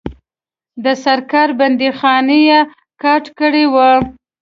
د سرکار بندیخانې یې کاټ کړي وه.